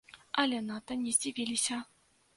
Але надта не здзівіліся.